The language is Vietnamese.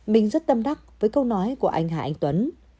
mình rất tâm đắc với câu nói của anh hà anh tuấn